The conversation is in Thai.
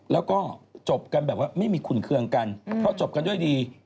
แล้วก็จบกันแบบว่าไม่มีขุนเครื่องกันเพราะจบกันด้วยดี